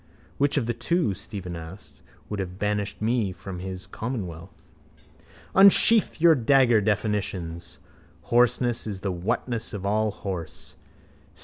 —Which of the two, Stephen asked, would have banished me from his commonwealth? Unsheathe your dagger definitions. Horseness is the whatness of allhorse.